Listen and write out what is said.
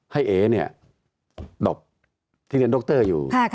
ให้เอกเนี่ยดบที่เรียนดรกเตอร์อยู่